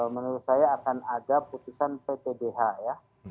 menurut saya akan ada putusan pt dh ya